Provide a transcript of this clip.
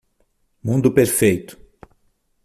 Mundo perfeito.